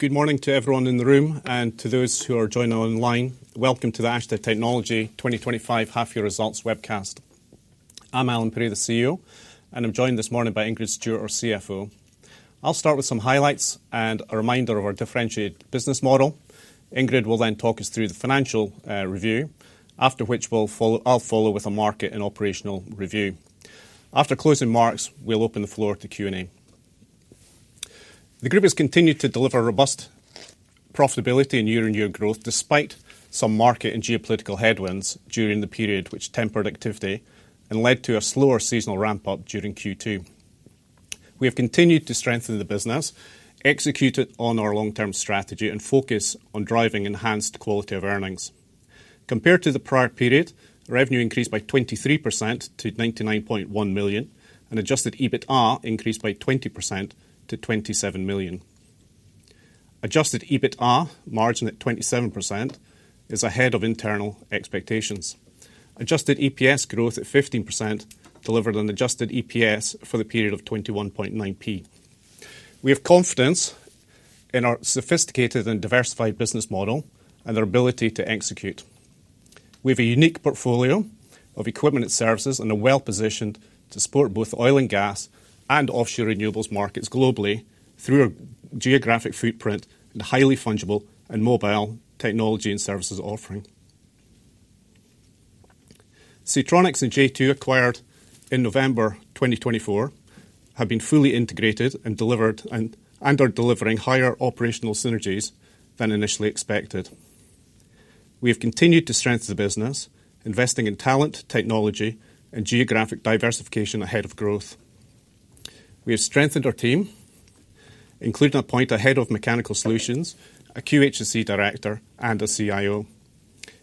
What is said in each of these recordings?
Good morning to everyone in the room and to those who are joining online. Welcome to the Ashtead Technology 2025 Half Year Results webcast. I'm Allan Pirie, the CEO, and I'm joined this morning by Ingrid Stewart, our CFO. I'll start with some highlights and a reminder of our differentiated business model. Ingrid will then talk us through the financial review, after which I'll follow with a market and operational review. After closing marks, we'll open the floor to Q&A. The group has continued to deliver robust profitability and year-on-year growth despite some market and geopolitical headwinds during the period, which tempered activity and led to a slower seasonal ramp-up during Q2. We have continued to strengthen the business, execute on our long-term strategy, and focus on driving enhanced quality of earnings. Compared to the prior period, revenue increased by 23% to £99.1 million and adjusted EBITDA increased by 20% to £27 million. Adjusted EBITDA margin at 27% is ahead of internal expectations. Adjusted EPS growth at 15% delivered an adjusted EPS for the period of £21.9. We have confidence in our sophisticated and diversified business model and our ability to execute. We have a unique portfolio of equipment and services and are well positioned to support both oil and gas and offshore renewables markets globally through a geographic footprint and highly fungible and mobile technology and services offering. Seatronics and J2 Subsea, acquired in November 2024, have been fully integrated and are delivering higher operational synergies than initially expected. We have continued to strengthen the business, investing in talent, technology, and geographic diversification ahead of growth. We have strengthened our team, including a point ahead of Mechanical Solutions, a QHSC Director, and a CIO.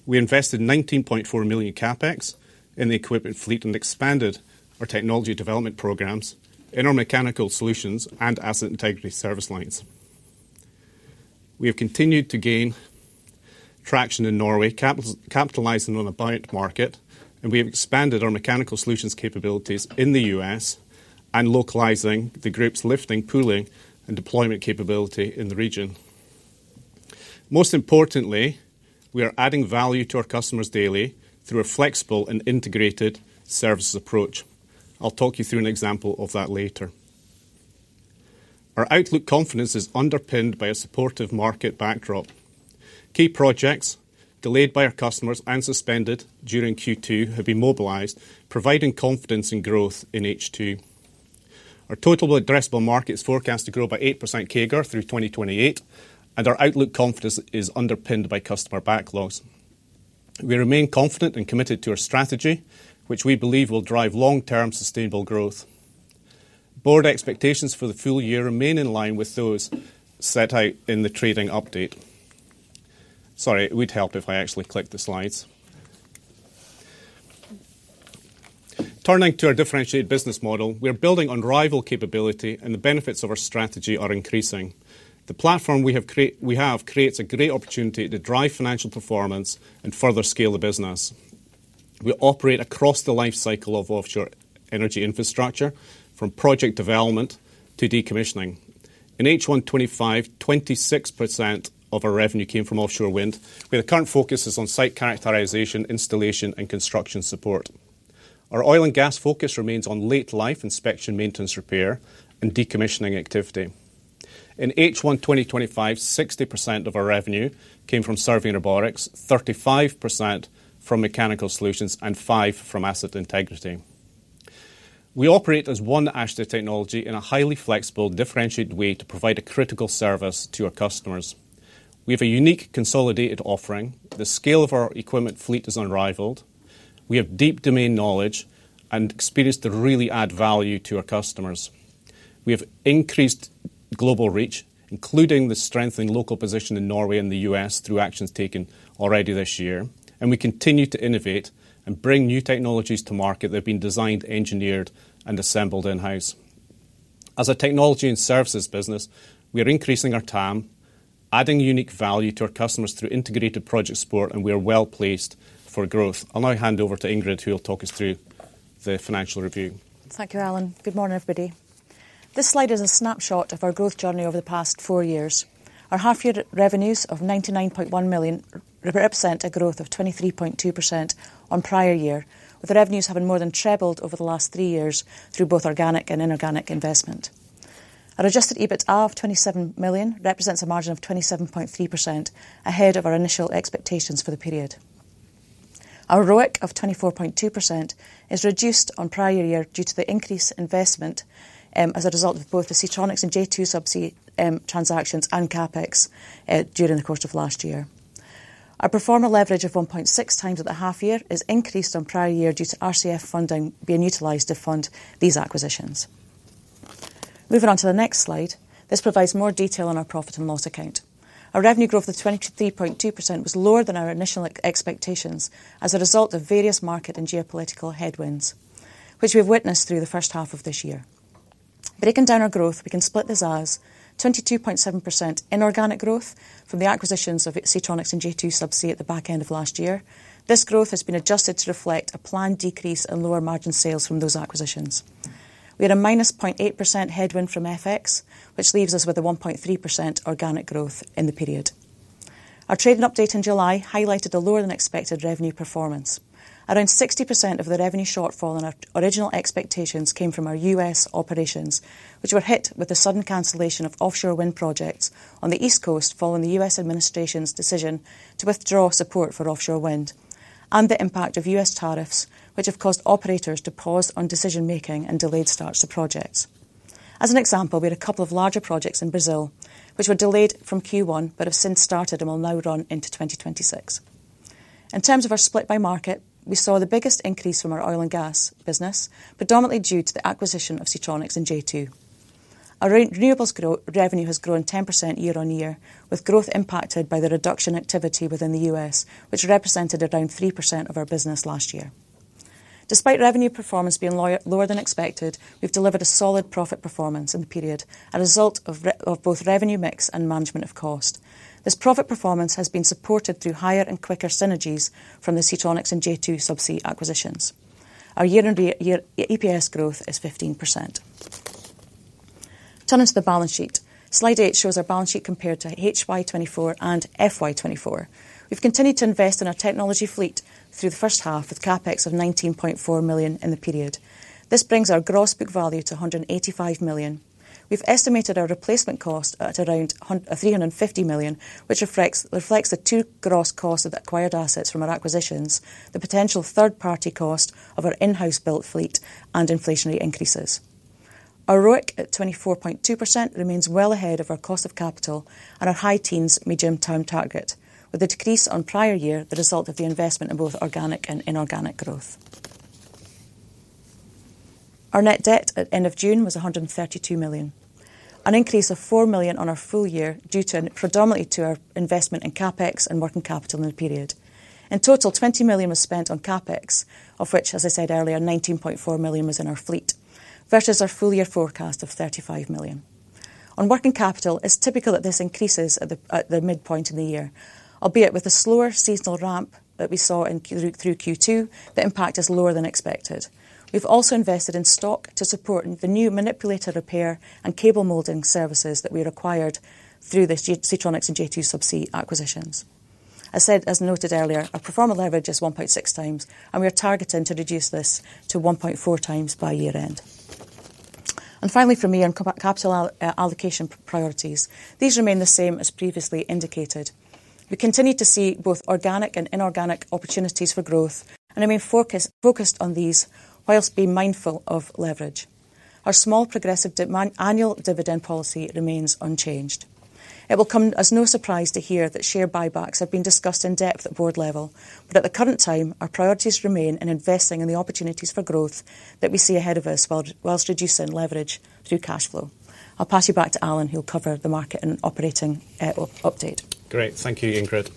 We invested £19.4 million CapEx in the equipment fleet and expanded our technology development programs in our Mechanical Solutions and Asset Integrity service lines. We have continued to gain traction in Norway, capitalizing on a buying market, and we have expanded our Mechanical Solutions capabilities in the U.S. and localizing the group's lifting, pooling, and deployment capability in the region. Most importantly, we are adding value to our customers daily through a flexible and integrated services approach. I'll talk you through an example of that later. Our outlook confidence is underpinned by a supportive market backdrop. Key projects delayed by our customers and suspended during Q2 have been mobilized, providing confidence in growth in H2. Our total addressable market is forecast to grow by 8% CAGR through 2028, and our outlook confidence is underpinned by customer backlogs. We remain confident and committed to our strategy, which we believe will drive long-term sustainable growth. Board expectations for the full year remain in line with those set out in the trading update. Sorry, it would help if I actually clicked the slides. Turning to our differentiated business model, we are building on rival capability, and the benefits of our strategy are increasing. The platform we have created creates a great opportunity to drive financial performance and further scale the business. We operate across the lifecycle of offshore energy infrastructure, from project development to decommissioning. In H1 2025, 26% of our revenue came from offshore wind, where the current focus is on site characterization, installation, and construction support. Our oil and gas focus remains on late-life inspection, maintenance, repair, and decommissioning activity. In H1 2025, 60% of our revenue came from Survey & Robotics, 35% from Mechanical Solutions, and 5% from Asset Integrity. We operate as one Ashtead Technology in a highly flexible, differentiated way to provide a critical service to our customers. We have a unique consolidated offering. The scale of our equipment fleet is unrivaled. We have deep domain knowledge and experience to really add value to our customers. We have increased global reach, including the strengthening local position in Norway and the U.S. through actions taken already this year, and we continue to innovate and bring new technologies to market that have been designed, engineered, and assembled in-house. As a technology and services business, we are increasing our total addressable market, adding unique value to our customers through integrated project support, and we are well placed for growth. I'll now hand over to Ingrid, who will talk us through the financial review. Thank you, Allan. Good morning, everybody. This slide is a snapshot of our growth journey over the past four years. Our half-year revenues of £99.1 million represent a growth of 23.2% on prior year, with the revenues having more than tripled over the last three years through both organic and inorganic investment. Our adjusted EBITDA of £27 million represents a margin of 27.3%, ahead of our initial expectations for the period. Our ROIC of 24.2% is reduced on prior year due to the increased investment as a result of both the Seatronics and J2 Subsea transactions and CapEx during the course of last year. Our pro forma leverage of 1.6 times at the half-year is increased on prior year due to RCF funding being utilized to fund these acquisitions. Moving on to the next slide, this provides more detail on our profit and loss account. Our revenue growth of 23.2% was lower than our initial expectations as a result of various market and geopolitical headwinds, which we have witnessed through the first half of this year. Breaking down our growth, we can split this as 22.7% in organic growth from the acquisitions of Seatronics and J2 Subsea at the back end of last year. This growth has been adjusted to reflect a planned decrease in lower margin sales from those acquisitions. We had a -0.8% headwind from FX, which leaves us with a 1.3% organic growth in the period. Our trading update in July highlighted a lower-than-expected revenue performance. Around 60% of the revenue shortfall in our original expectations came from our U.S. operations, which were hit with the sudden cancellation of offshore wind projects on the East Coast following the U.S. administration's decision to withdraw support for offshore wind and the impact of U.S. tariffs, which have caused operators to pause on decision-making and delayed starts of projects. As an example, we had a couple of larger projects in Brazil, which were delayed from Q1 but have since started and will now run into 2026. In terms of our split by market, we saw the biggest increase from our oil and gas business, predominantly due to the acquisition of Seatronics and J2 Subsea. Our renewables revenue has grown 10% year-on-year, with growth impacted by the reduction in activity within the U.S., which represented around 3% of our business last year. Despite revenue performance being lower than expected, we've delivered a solid profit performance in the period, a result of both revenue mix and management of cost. This profit performance has been supported through higher and quicker synergies from the Seatronics and J2 Subsea acquisitions. Our year-on-year EPS growth is 15%. Turning to the balance sheet, slide eight shows our balance sheet compared to HY24 and FY24. We've continued to invest in our technology fleet through the first half with CapEx of £19.4 million in the period. This brings our gross book value to £185 million. We've estimated our replacement cost at around £350 million, which reflects the true gross costs of acquired assets from our acquisitions, the potential third-party cost of our in-house built fleet, and inflationary increases. Our ROIC at 24.2% remains well ahead of our cost of capital and our high teens medium-term target, with a decrease on prior year the result of the investment in both organic and inorganic growth. Our net debt at the end of June was £132 million, an increase of £4 million on our full year due to predominantly our investment in CapEx and working capital in the period. In total, £20 million was spent on CapEx, of which, as I said earlier, £19.4 million was in our fleet, versus our full year forecast of £35 million. On working capital, it's typical that this increases at the midpoint in the year, albeit with a slower seasonal ramp that we saw through Q2 that impacted us lower than expected. We've also invested in stock to support the new manipulator repair and cable molding services that we required through the Seatronics and J2 Subsea acquisitions. As noted earlier, our performance leverage is 1.6 times, and we are targeting to reduce this to 1.4 times by year-end. Finally, for me on capital allocation priorities, these remain the same as previously indicated. We continue to see both organic and inorganic opportunities for growth and remain focused on these, whilst being mindful of leverage. Our small progressive annual dividend policy remains unchanged. It will come as no surprise to hear that share buybacks have been discussed in depth at board level, but at the current time, our priorities remain in investing in the opportunities for growth that we see ahead of us, whilst reducing leverage through cash flow. I'll pass you back to Allan, who'll cover the market and operating update. Great, thank you, Ingrid.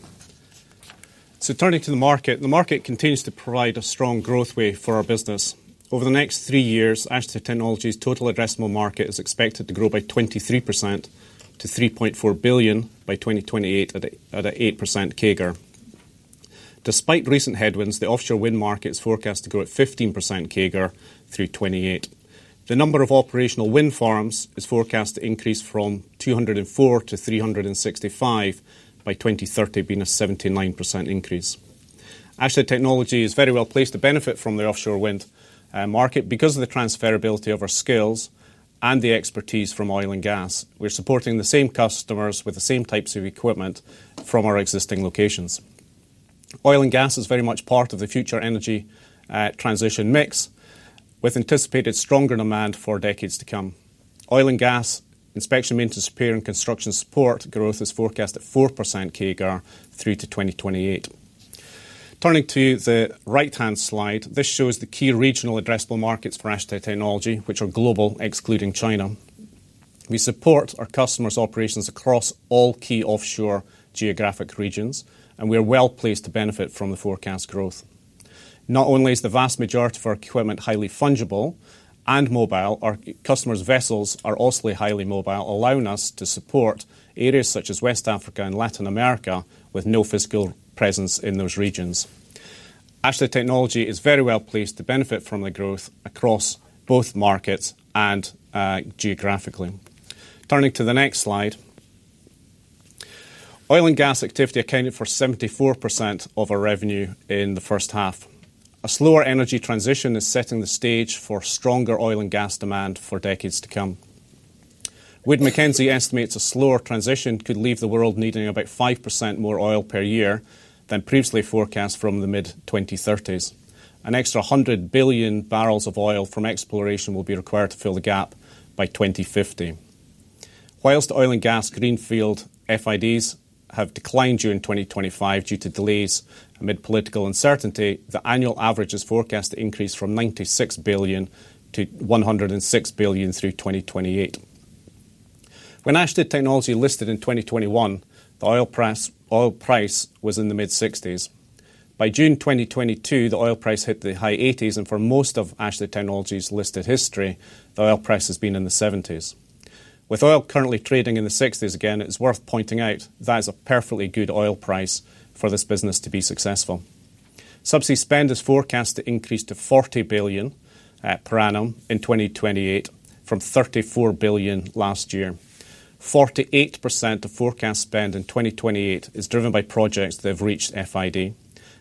Turning to the market, the market continues to provide a strong growth wave for our business. Over the next three years, Ashtead Technology's total addressable market is expected to grow by 23% to $3.4 billion by 2028 at an 8% CAGR. Despite recent headwinds, the offshore wind market is forecast to grow at 15% CAGR through 2028. The number of operational wind farms is forecast to increase from 204 - 365 by 2030, being a 79% increase. Ashtead Technology is very well placed to benefit from the offshore wind market because of the transferability of our skills and the expertise from oil and gas. We're supporting the same customers with the same types of equipment from our existing locations. Oil and gas is very much part of the future energy transition mix, with anticipated stronger demand for decades to come. Oil and gas inspection, maintenance, repair, and construction support growth is forecast at 4% CAGR through to 2028. Turning to the right-hand slide, this shows the key regional addressable markets for Ashtead Technology, which are global, excluding China. We support our customers' operations across all key offshore geographic regions, and we are well placed to benefit from the forecast growth. Not only is the vast majority of our equipment highly fungible and mobile, our customers' vessels are also highly mobile, allowing us to support areas such as West Africa and Latin America with no physical presence in those regions. Ashtead Technology is very well placed to benefit from the growth across both markets and geographically. Turning to the next slide, oil and gas activity accounted for 74% of our revenue in the first half. A slower energy transition is setting the stage for stronger oil and gas demand for decades to come. Wade McKenzie estimates a slower transition could leave the world needing about 5% more oil per year than previously forecast from the mid-2030s. An extra 100 billion barrels of oil from exploration will be required to fill the gap by 2050. Whilst oil and gas greenfield FIDs have declined during 2025 due to delays amid political uncertainty, the annual average is forecast to increase from $96 billion - $106 billion through 2028. When Ashtead Technology listed in 2021, the oil price was in the mid-$60s. By June, 2022, the oil price hit the high $80s, and for most of Ashtead Technology's listed history, the oil price has been in the $70s. With oil currently trading in the $60s again, it's worth pointing out that is a perfectly good oil price for this business to be successful. Subsea spend is forecast to increase to $40 billion per annum in 2028 from $34 billion last year. 48% of forecast spend in 2028 is driven by projects that have reached FID,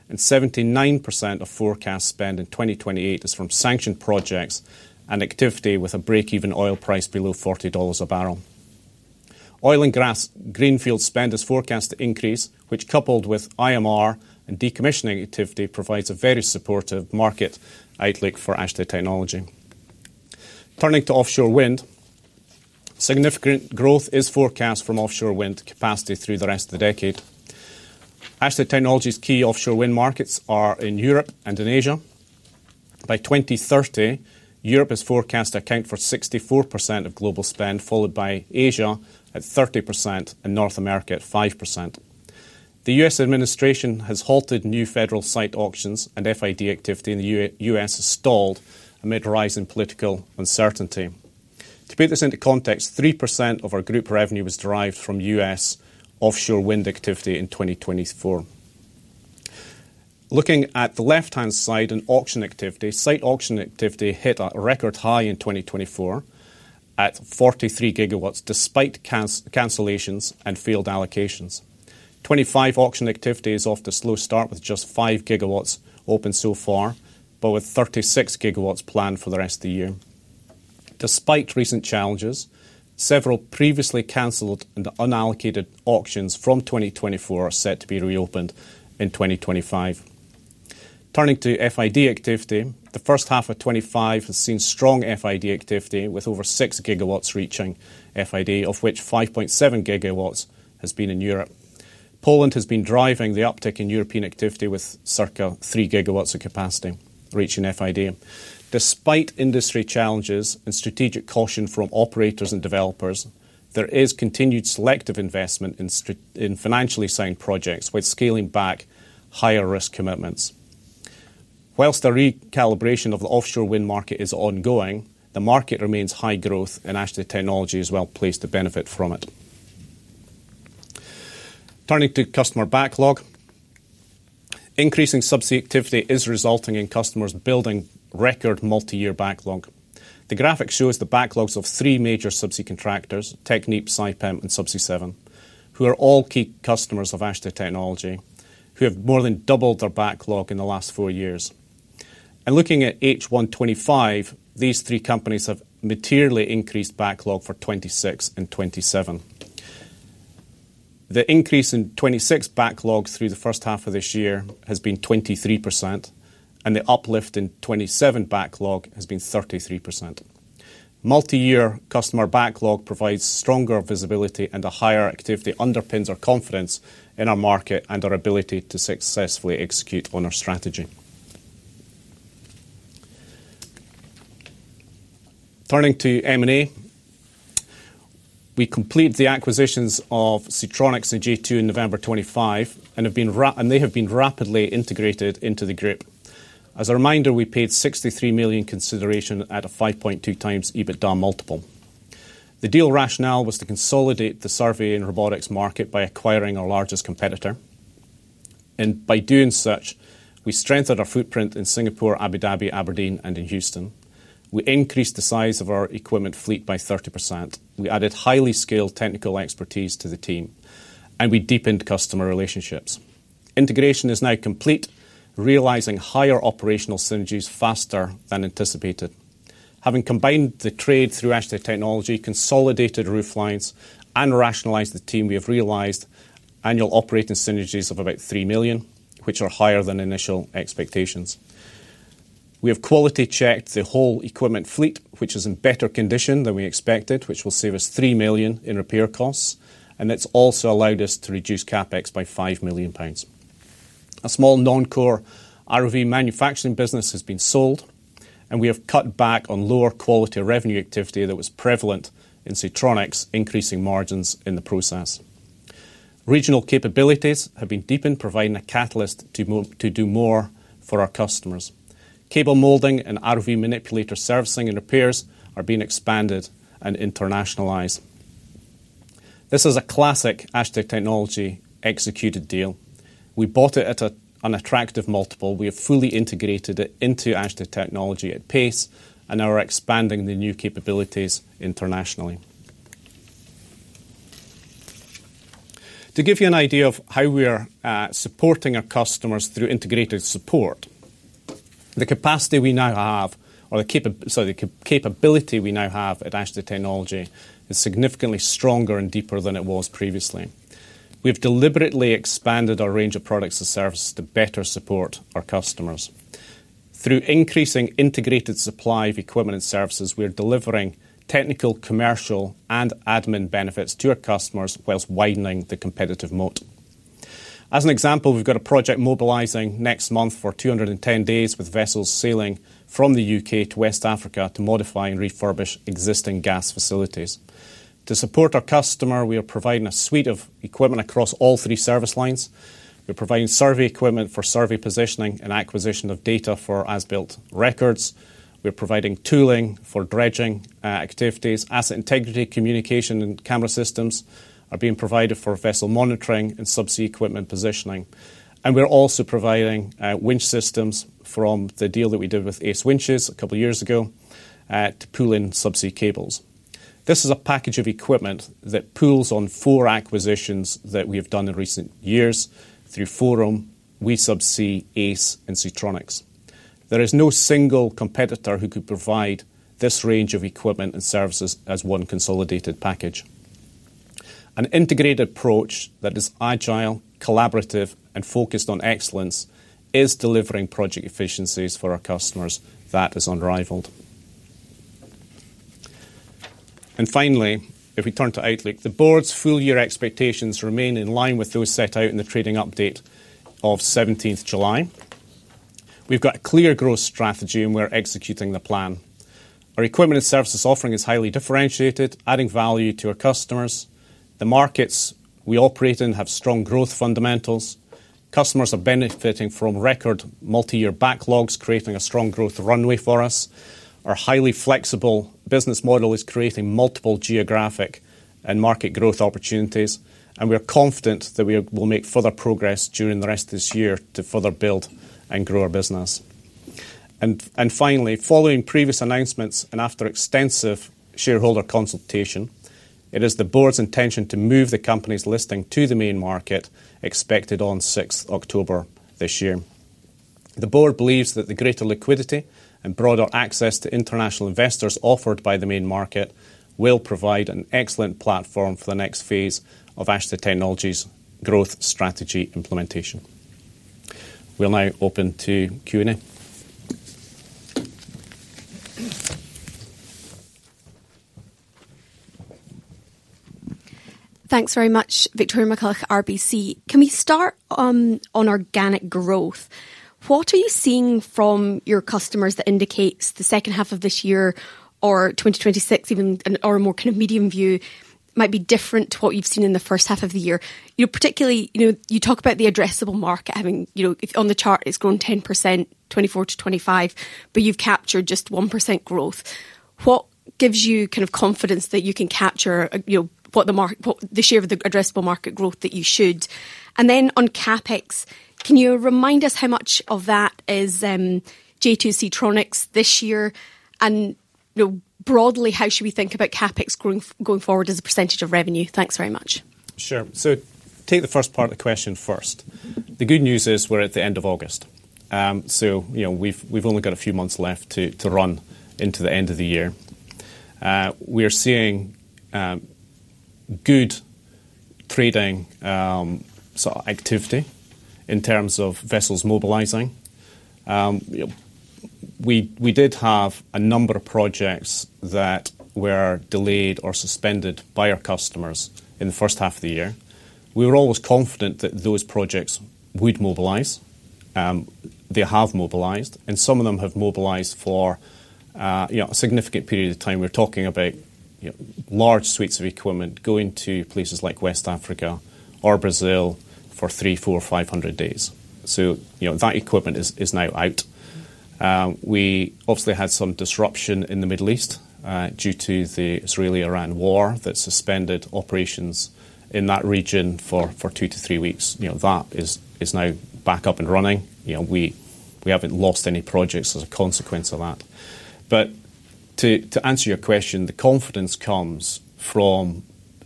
and 79% of forecast spend in 2028 is from sanctioned projects and activity with a break-even oil price below $40 a barrel. Oil and gas greenfield spend is forecast to increase, which coupled with IMR and decommissioning activity provides a very supportive market outlook for Ashtead Technology. Turning to offshore wind, significant growth is forecast from offshore wind capacity through the rest of the decade. Ashtead Technology's key offshore wind markets are in Europe and in Asia. By 2030, Europe is forecast to account for 64% of global spend, followed by Asia at 30% and North America at 5%. The U.S. administration has halted new federal site auctions, and FID activity in the U.S. has stalled amid rising political uncertainty. To put this into context, 3% of our group revenue was derived from U.S. offshore wind activity in 2024. Looking at the left-hand side and auction activity, site auction activity hit a record high in 2024 at 43 GW despite cancellations and failed allocations. 2025 auction activity is off to a slow start with just 5 GW open so far, but with 36 GW planned for the rest of the year. Despite recent challenges, several previously cancelled and unallocated auctions from 2024 are set to be reopened in 2025. Turning to FID activity, the first half of 2025 has seen strong FID activity with over 6 GW reaching FID, of which 5.7 GW has been in Europe. Poland has been driving the uptick in European activity with circa 3 GW of capacity reaching FID. Despite industry challenges and strategic caution from operators and developers, there is continued selective investment in financially sound projects with scaling back higher risk commitments. Whilst the recalibration of the offshore wind market is ongoing, the market remains high growth, and Ashtead Technology is well placed to benefit from it. Turning to customer backlog, increasing subsea activity is resulting in customers building record multi-year backlog. The graphic shows the backlogs of three major subsea contractors, Technip, Saipem, and Subsea7, who are all key customers of Ashtead Technology, who have more than doubled their backlog in the last four years. Looking at H1 2025, these three companies have materially increased backlog for 2026 and 2027. The increase in 2026 backlog through the first half of this year has been 23%, and the uplift in 2027 backlog has been 33%. Multi-year customer backlog provides stronger visibility, and the higher activity underpins our confidence in our market and our ability to successfully execute on our strategy. Turning to M&A, we completed the acquisitions of Seatronics and J2 Subsea on November 25, and they have been rapidly integrated into the group. As a reminder, we paid £63 million consideration at a 5.2 times EBITDA multiple. The deal rationale was to consolidate the Survey & Robotics market by acquiring our largest competitor. By doing such, we strengthened our footprint in Singapore, Abu Dhabi, Aberdeen, and in Houston. We increased the size of our equipment fleet by 30%. We added highly skilled technical expertise to the team, and we deepened customer relationships. Integration is now complete, realizing higher operational synergies faster than anticipated. Having combined the trade through Ashtead Technology, consolidated roof lines, and rationalized the team, we have realized annual operating synergies of about £3 million, which are higher than initial expectations. We have quality-checked the whole equipment fleet, which is in better condition than we expected, which will save us £3 million in repair costs, and it's also allowed us to reduce CapEx by £5 million. A small non-core ROV manufacturing business has been sold, and we have cut back on lower quality revenue activity that was prevalent in Seatronics, increasing margins in the process. Regional capabilities have been deepened, providing a catalyst to do more for our customers. Cable molding and ROV manipulator servicing and repairs are being expanded and internationalized. This is a classic Ashtead Technology executed deal. We bought it at an attractive multiple. We have fully integrated it into Ashtead Technology at pace, and are expanding the new capabilities internationally. To give you an idea of how we are supporting our customers through integrated support, the capacity we now have, or the capability we now have at Ashtead Technology, is significantly stronger and deeper than it was previously. We've deliberately expanded our range of products and services to better support our customers. Through increasing integrated supply of equipment and services, we're delivering technical, commercial, and admin benefits to our customers, while widening the competitive moat. As an example, we've got a project mobilizing next month for 210 days with vessels sailing from the U.K. to West Africa to modify and refurbish existing gas facilities. To support our customer, we are providing a suite of equipment across all three service lines. We're providing survey equipment for survey positioning and acquisition of data for as-built records. We're providing tooling for dredging activities. Asset Integrity communication and camera systems are being provided for vessel monitoring and subsea equipment positioning. We're also providing winch systems from the deal that we did with ACE Winches a couple of years ago to pull in subsea cables. This is a package of equipment that pulls on four acquisitions that we have done in recent years through Forum, We Subsea, ACE, and Seatronics. There is no single competitor who could provide this range of equipment and services as one consolidated package. An integrated approach that is agile, collaborative, and focused on excellence is delivering project efficiencies for our customers that is unrivaled. Finally, if we turn to outlook, the board's full-year expectations remain in line with those set out in the trading update of July 17th. We've got a clear growth strategy and we're executing the plan. Our equipment and services offering is highly differentiated, adding value to our customers. The markets we operate in have strong growth fundamentals. Customers are benefiting from record multi-year backlogs, creating a strong growth runway for us. Our highly flexible business model is creating multiple geographic and market growth opportunities, and we are confident that we will make further progress during the rest of this year to further build and grow our business. Following previous announcements and after extensive shareholder consultation, it is the board's intention to move the company's listing to the main market expected on October 6th this year. The board believes that the greater liquidity and broader access to international investors offered by the main market will provide an excellent platform for the next phase of Ashtead Technology's growth strategy implementation. We'll now open to Q&A. Thanks very much, Victoria McCulloch, RBC. Can we start on organic growth? What are you seeing from your customers that indicates the second half of this year or 2026, even a more kind of medium view, might be different to what you've seen in the first half of the year? Particularly, you talk about the addressable market having, you know, on the chart it's grown 10%, 24% - 25%, but you've captured just 1% growth. What gives you kind of confidence that you can capture, you know, what the market, what this year of the addressable market growth that you should? On CapEx, can you remind us how much of that is J2 Subsea, Seatronics this year? Broadly, how should we think about CapEx growing going forward as a percentage of revenue? Thanks very much. Sure. To take the first part of the question first, the good news is we're at the end of August, so we've only got a few months left to run into the end of the year. We are seeing good trading activity in terms of vessels mobilizing. We did have a number of projects that were delayed or suspended by our customers in the first half of the year. We were always confident that those projects would mobilize. They have mobilized, and some of them have mobilized for a significant period of time. We're talking about large suites of equipment going to places like West Africa or Brazil for 300, 400, 500 days. That equipment is now out. We obviously had some disruption in the Middle East due to the Israeli-Iran war that suspended operations in that region for two to three weeks. That is now back up and running. We haven't lost any projects as a consequence of that. To answer your question, the confidence comes from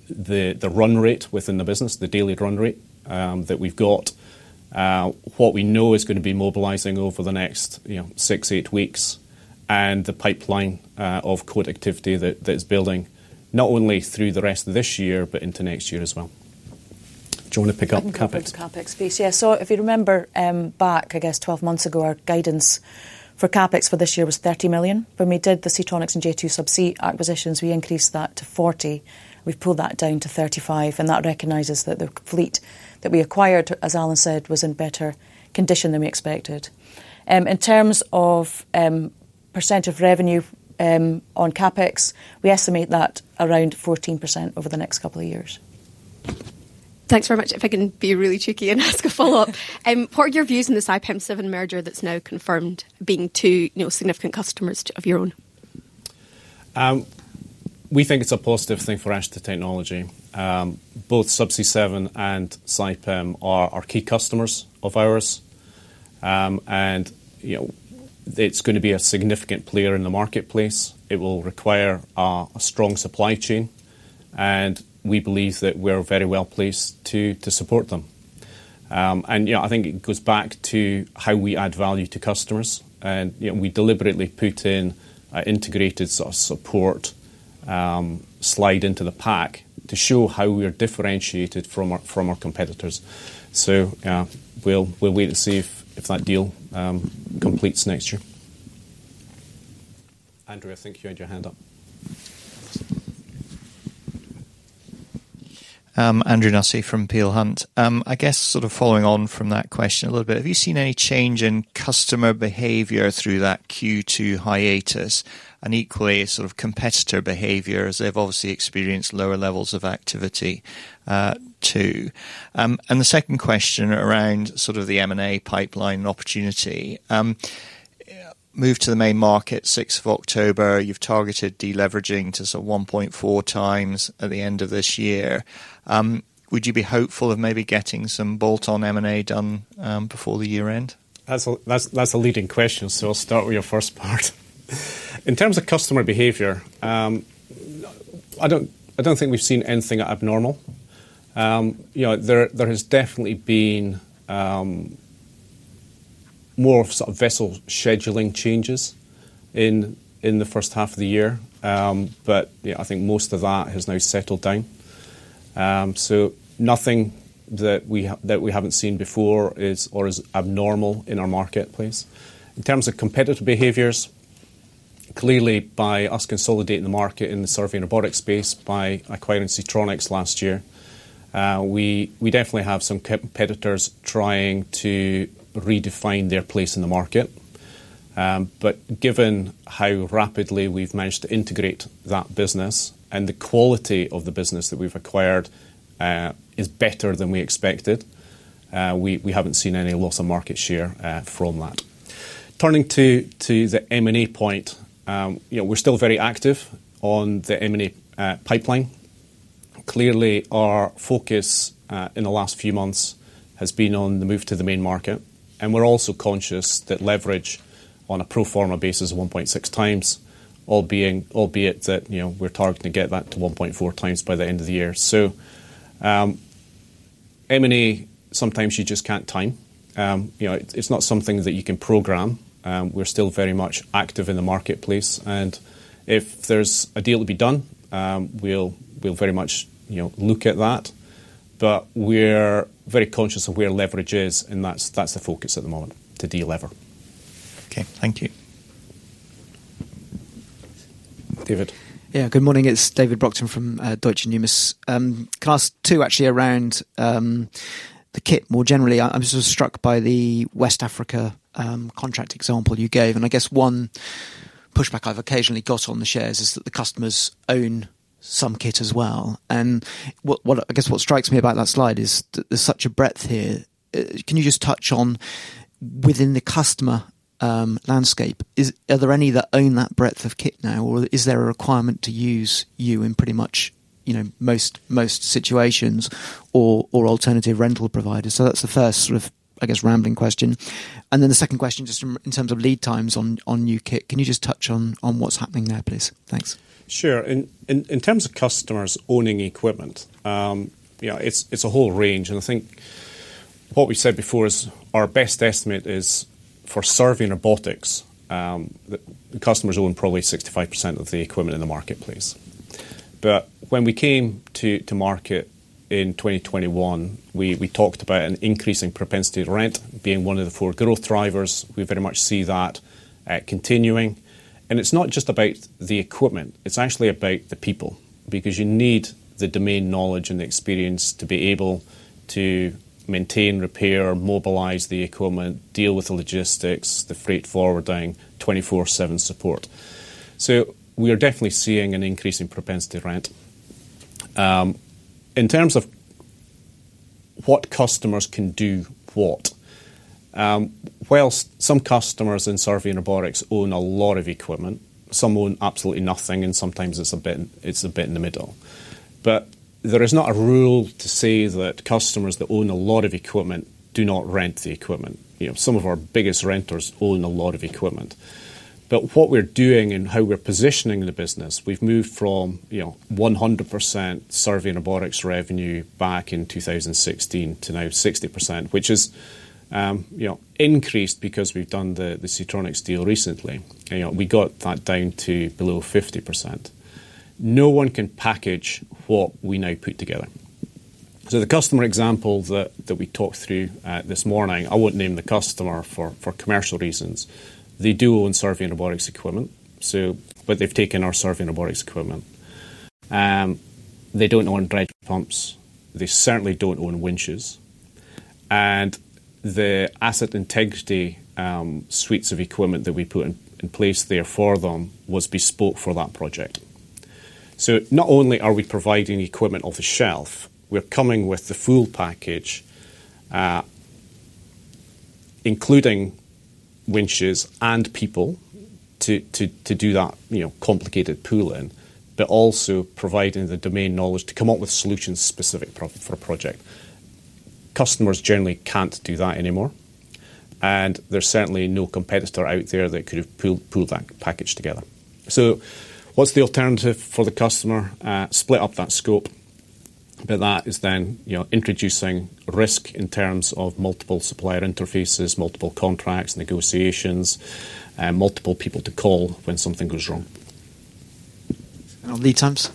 the run rate within the business, the daily run rate that we've got, what we know is going to be mobilizing over the next six, eight weeks, and the pipeline of code activity that is building not only through the rest of this year, but into next year as well. Do you want to pick up onCapEx? CapEx piece, yeah. If you remember, back, I guess, 12 months ago, our guidance for CapEx for this year was $30 million. When we did the Seatronics and J2 Subsea acquisitions, we increased that to $40 million. We've pulled that down to $35 million, and that recognizes that the fleet that we acquired, as Allan said, was in better condition than we expected. In terms of percentage of revenue on CapEx, we estimate that around 14% over the next couple of years. Thanks very much. If I can be really cheeky and ask a follow-up, what are your views on the Saipem Subsea7 merger that's now confirmed, being two, you know, significant customers of your own? We think it's a positive thing for Ashtead Technology. Both Subsea7 and Saipem are key customers of ours, and it's going to be a significant player in the marketplace. It will require a strong supply chain, and we believe that we're very well placed to support them. I think it goes back to how we add value to customers, and we deliberately put in an integrated sort of support slide into the pack to show how we are differentiated from our competitors. We'll wait and see if that deal completes next year. Andrea, I think you had your hand up. Andrew Nussey from Peel Hunt, I guess sort of following on from that question a little bit, have you seen any change in customer behavior through that Q2 hiatus, and equally sort of competitor behavior as they've obviously experienced lower levels of activity too? The second question around sort of the M&A pipeline opportunity, move to the main market 6th of October, you've targeted deleveraging to sort of 1.4 times at the end of this year. Would you be hopeful of maybe getting some bolt-on M&A done before the year end? That's a leading question, so I'll start with your first part. In terms of customer behavior, I don't think we've seen anything abnormal. There has definitely been more sort of vessel scheduling changes in the first half of the year, but I think most of that has now settled down. Nothing that we haven't seen before is abnormal in our marketplace. In terms of competitor behaviors, clearly by us consolidating the market in the Survey & Robotics space by acquiring Seatronics last year, we definitely have some competitors trying to redefine their place in the market. Given how rapidly we've managed to integrate that business and the quality of the business that we've acquired is better than we expected, we haven't seen any loss of market share from that. Turning to the M&A point, we're still very active on the M&A pipeline. Clearly, our focus in the last few months has been on the move to the main market, and we're also conscious that leverage on a pro forma basis of 1.6 times, albeit that we're targeting to get that to 1.4 times by the end of the year. M&A, sometimes you just can't time. It's not something that you can program. We're still very much active in the marketplace, and if there's a deal to be done, we'll very much look at that. We're very conscious of where leverage is, and that's the focus at the moment to delever. Okay, thank you. David? Yeah, good morning. It's David Brockton from Deutsche Numis. Two questions actually around the kit more generally. I was just struck by the West Africa contract example you gave, and I guess one pushback I've occasionally got on the shares is that the customers own some kit as well. What strikes me about that slide is that there's such a breadth here. Can you just touch on within the customer landscape, are there any that own that breadth of kit now, or is there a requirement to use you in pretty much most situations or alternative rental providers? That's the first sort of, I guess, rambling question. The second question, just in terms of lead times on new kit, can you just touch on what's happening there, please? Thanks. Sure. In terms of customers owning equipment, yeah, it's a whole range. I think what we said before is our best estimate is for Survey & Robotics, the customers own probably 65% of the equipment in the marketplace. When we came to market in 2021, we talked about an increasing propensity to rent, being one of the four growth drivers. We very much see that continuing. It's not just about the equipment. It's actually about the people because you need the domain knowledge and the experience to be able to maintain, repair, mobilize the equipment, deal with the logistics, the freight forwarding, 24/7 support. We are definitely seeing an increasing propensity to rent. In terms of what customers can do what, whilst some customers in Survey & Robotics own a lot of equipment, some own absolutely nothing, and sometimes it's a bit in the middle. There is not a rule to say that customers that own a lot of equipment do not rent the equipment. Some of our biggest renters own a lot of equipment. What we're doing and how we're positioning the business, we've moved from 100% Survey & Robotics revenue back in 2016 to now 60%, which is increased because we've done the Seatronics deal recently. We got that down to below 50%. No one can package what we now put together. The customer example that we talked through this morning, I won't name the customer for commercial reasons. They do own Survey & Robotics equipment, but they've taken our Survey & Robotics equipment. They don't own dredge pumps. They certainly don't own winches. The Asset Integrity suites of equipment that we put in place there for them was bespoke for that project. Not only are we providing equipment off the shelf, we're coming with the full package, including winches and people to do that complicated pooling, but also providing the domain knowledge to come up with solutions specific for a project. Customers generally can't do that anymore. There's certainly no competitor out there that could have pulled that package together. What's the alternative for the customer? Split up that scope. That is then introducing risk in terms of multiple supplier interfaces, multiple contracts, negotiations, and multiple people to call when something goes wrong. On lead times?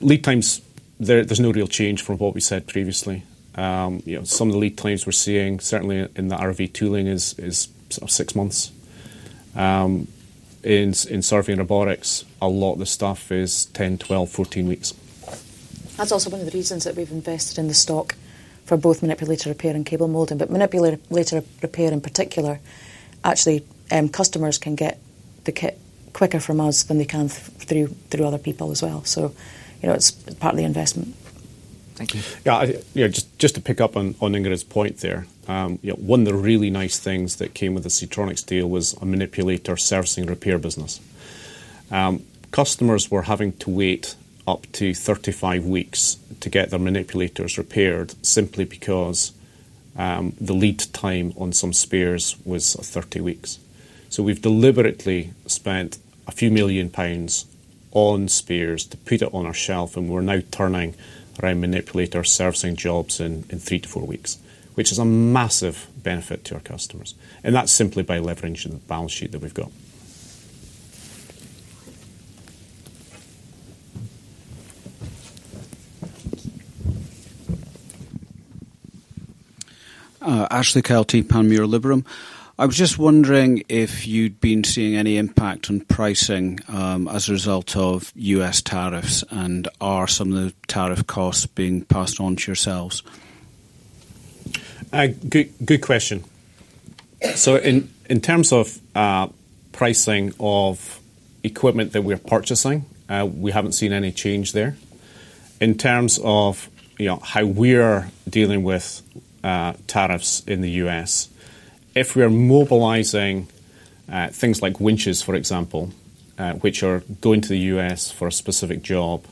Lead times, there's no real change from what we said previously. Some of the lead times we're seeing, certainly in the ROV tooling, is sort of six months. In Survey & Robotics, a lot of the stuff is 10, 12, 14 weeks. That's also one of the reasons that we've invested in the stock for both manipulator repair and cable molding, but manipulator repair in particular. Actually, customers can get the kit quicker from us than they can through other people as well. It's part of the investment. Thank you. Yeah, you know, just to pick up on Ingrid's point there, one of the really nice things that came with the Seatronics deal was a manipulator servicing repair business. Customers were having to wait up to 35 weeks to get their manipulators repaired simply because the lead time on some spares was 30 weeks. We have deliberately spent a few million pounds on spares to put it on our shelf, and we're now turning around manipulator servicing jobs in three to four weeks, which is a massive benefit to our customers. That's simply by leveraging the balance sheet that we've got. I was just wondering if you'd been seeing any impact on pricing as a result of U.S. tariffs, and are some of the tariff costs being passed on to yourselves? Good question. In terms of pricing of equipment that we're purchasing, we haven't seen any change there. In terms of how we're dealing with tariffs in the U.S., if we're mobilizing things like winches, for example, which are going to the U.S. for a specific job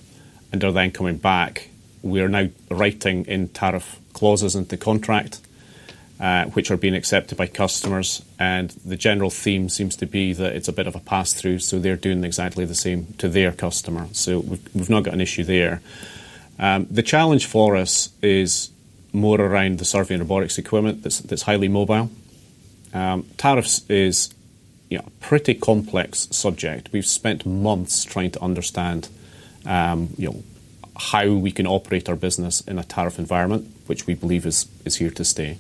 and are then coming back, we are now writing in tariff clauses into contract, which are being accepted by customers. The general theme seems to be that it's a bit of a pass-through, so they're doing exactly the same to their customer. We've not got an issue there. The challenge for us is more around the Survey & Robotics equipment that's highly mobile. Tariffs is a pretty complex subject. We've spent months trying to understand how we can operate our business in a tariff environment, which we believe is here to stay.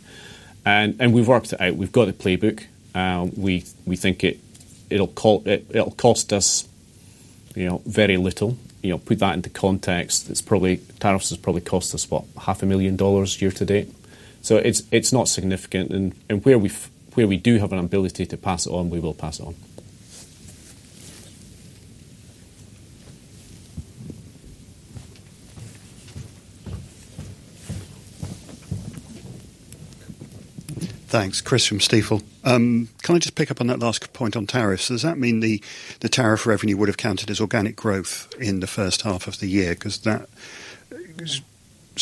We've worked it out. We've got a playbook. We think it'll cost us very little. To put that into context, tariffs have probably cost us, what, $0.5 million year to date. It's not significant. Where we do have an ability to pass it on, we will pass it on. Thanks. Chris from Stifel. Can I just pick up on that last point on tariffs? Does that mean the tariff revenue would have counted as organic growth in the first half of the year? Because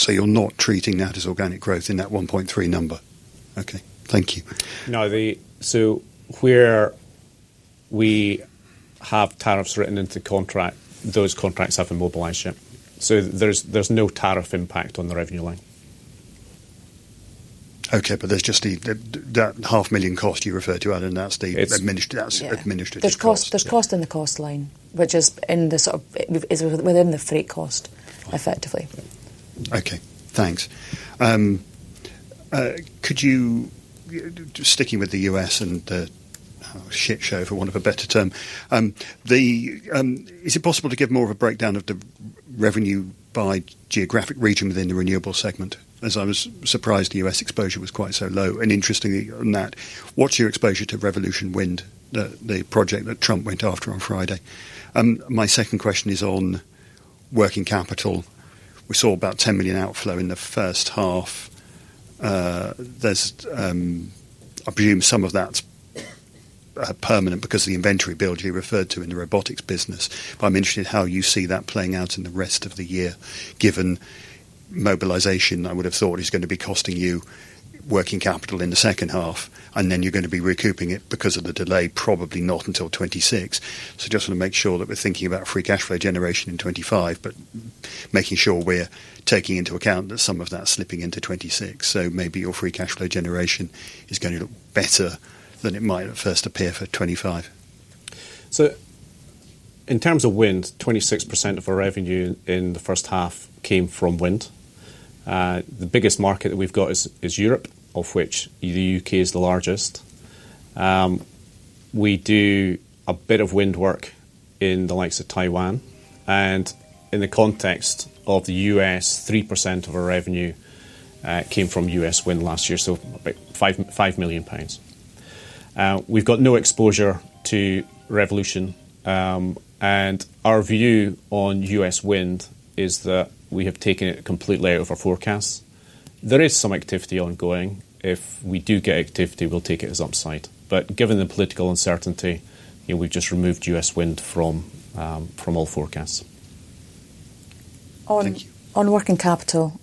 you're not treating that as organic growth in that $1.3 million number. Okay, thank you. No, where we have tariffs written into contract, those contracts haven't mobilized yet. There's no tariff impact on the revenue line. Okay, there's just the $0.5 million cost you referred to, and then that's the administrative. There's cost in the cost line, which is within the freight cost effectively. Okay, thanks. Could you, sticking with the U.S. and the shit show, for want of a better term, is it possible to give more of a breakdown of the revenue by geographic region within the renewable segment? I was surprised the U.S. exposure was quite so low. Interestingly, on that, what's your exposure to Revolution Wind, the project that Trump went after on Friday? My second question is on working capital. We saw about $10 million outflow in the first half. I presume some of that is permanent because of the inventory build you referred to in the robotics business. I'm interested in how you see that playing out in the rest of the year, given mobilization. I would have thought it is going to be costing you working capital in the second half, and then you're going to be recouping it because of the delay, probably not until 2026. I just want to make sure that we're thinking about free cash flow generation in 2025, but making sure we're taking into account that some of that is slipping into 2026. Maybe your free cash flow generation is going to look better than it might at first appear for 2025. In terms of wind, 26% of our revenue in the first half came from wind. The biggest market that we've got is Europe, of which the U.K. is the largest. We do a bit of wind work in the likes of Taiwan. In the context of the U.S., 3% of our revenue came from U.S. wind last year, so about £5 million. We've got no exposure to Revolution. Our view on U.S. wind is that we have taken it completely out of our forecasts. There is some activity ongoing. If we do get activity, we'll take it as upside. Given the political uncertainty, we've just removed U.S. wind from all forecasts. On working capital,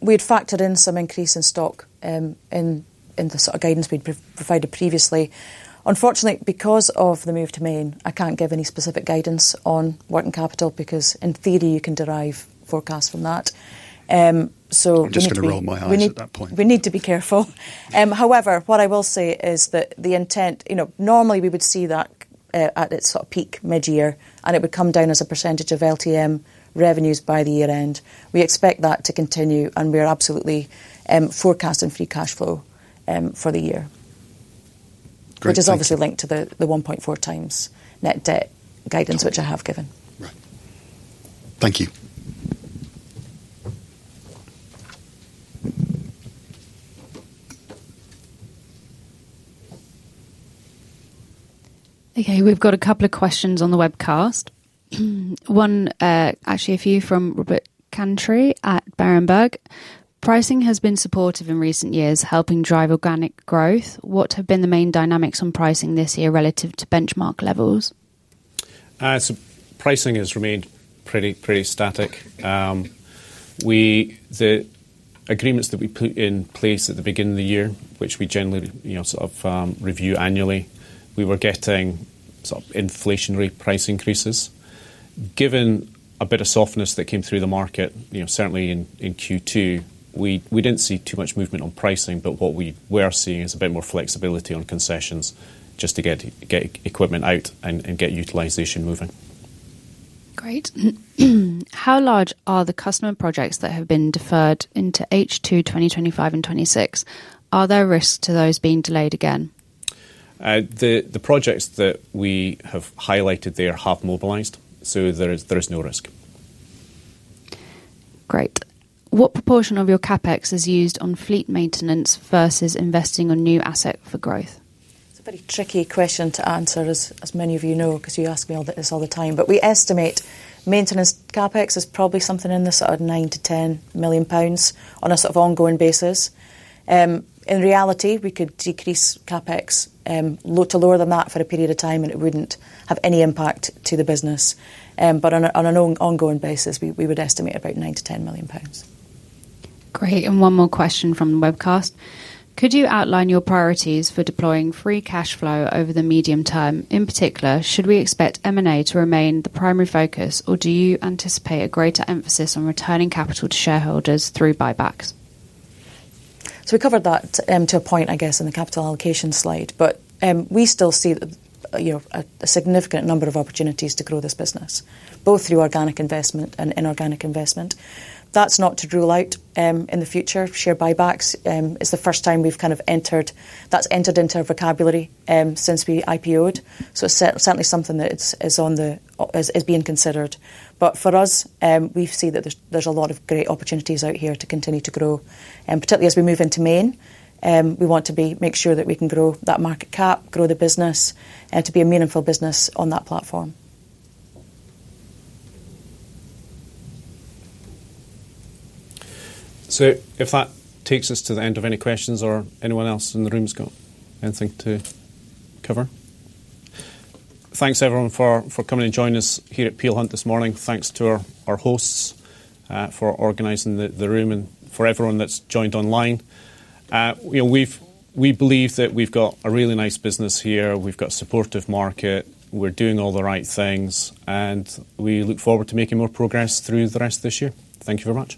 we've factored in some increase in stock in the sort of guidance we provided previously. Unfortunately, because of the move to main, I can't give any specific guidance on working capital because in theory you can derive forecasts from that. You're just going to roll my hats at that point. We need to be careful. However, what I will say is that the intent, you know, normally we would see that at its sort of peak mid-year, and it would come down as a percentage of LTM revenues by the year end. We expect that to continue, and we're absolutely forecasting free cash flow for the year, which is obviously linked to the 1.4 times net debt guidance, which I have given. Thank you. Okay, we've got a couple of questions on the webcast. One, actually a few from Robert Cantry at Barenberg. Pricing has been supportive in recent years, helping drive organic growth. What have been the main dynamics on pricing this year relative to benchmark levels? Pricing has remained pretty static. The agreements that we put in place at the beginning of the year, which we generally review annually, we were getting inflationary price increases. Given a bit of softness that came through the market, certainly in Q2, we didn't see too much movement on pricing, but what we were seeing is a bit more flexibility on concessions just to get equipment out and get utilization moving. Great. How large are the customer projects that have been deferred into H2 2025 and 2026? Are there risks to those being delayed again? The projects that we have highlighted there have mobilized, so there is no risk. Great. What proportion of your CapEx is used on fleet maintenance versus investing on new asset for growth? It's a very tricky question to answer, as many of you know, because you ask me all this all the time, but we estimate maintenance CapEx is probably something in the sort of £9 - £10 million on a sort of ongoing basis. In reality, we could decrease CapEx to lower than that for a period of time, and it wouldn't have any impact to the business. On an ongoing basis, we would estimate about £9 - £10 million. Great. One more question from the webcast. Could you outline your priorities for deploying free cash flow over the medium term? In particular, should we expect M&A to remain the primary focus, or do you anticipate a greater emphasis on returning capital to shareholders through buybacks? We covered that to a point, I guess, in the capital allocation slide, but we still see a significant number of opportunities to grow this business, both through organic investment and inorganic investment. That's not to rule out in the future. Share buybacks is the first time we've kind of entered that's entered into our vocabulary since we IPOed. It's certainly something that is being considered. For us, we see that there's a lot of great opportunities out here to continue to grow, and particularly as we move into Maine, we want to make sure that we can grow that market cap, grow the business, and to be a meaningful business on that platform. If that takes us to the end of any questions or anyone else in the room's got anything to cover, thanks everyone for coming and joining us here at Peel Hunt this morning. Thanks to our hosts for organizing the room and for everyone that's joined online. We believe that we've got a really nice business here. We've got a supportive market. We're doing all the right things, and we look forward to making more progress through the rest of this year. Thank you very much.